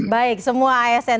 baik semua asn